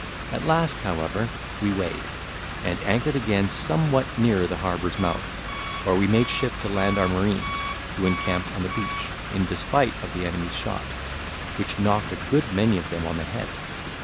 At last, however, we weighed, and anchored again somewhat nearer the harbour's mouth, where we made shift to land our marines, who encamped on the beach, in despite of the enemy's shot, which knocked a good many of them on the head.